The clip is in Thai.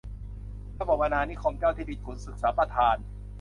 ระบบอาณานิคม เจ้าที่ดิน-ขุนศึก สัมปทาน